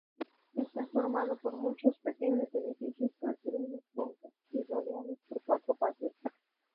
Está formado por muchos pequeños edificios construidos juntos y rodeados por cuatro patios.